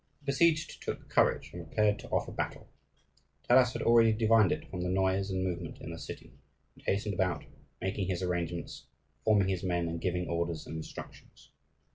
The besieged took courage, and prepared to offer battle. Taras had already divined it from the noise and movement in the city, and hastened about, making his arrangements, forming his men, and giving orders and instructions.